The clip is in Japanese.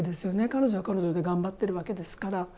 彼女は彼女で頑張ってるわけですから。